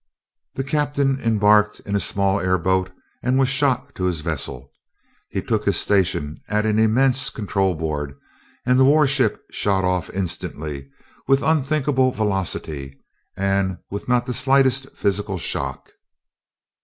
The captain embarked in a small airboat and was shot to his vessel. He took his station at an immense control board and the warship shot off instantly, with unthinkable velocity, and with not the slightest physical shock.